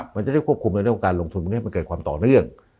มันจะได้ควบคุมในเรื่องของการลงทุนให้มันเกิดความต่อเนื่อง